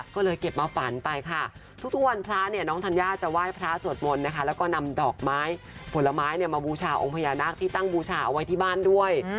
ก็เลยเก็บมาฝันไปค่ะทุกวันพระเนี่ยน้องธัญญาจะไหว้พระสวดมนต์นะคะแล้วก็นำดอกไม้ผลไม้มาบูชาองค์พญานาคที่ตั้งบูชาเอาไว้ที่บ้านด้วย